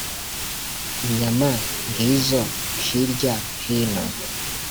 Inyama ngizo hirya hino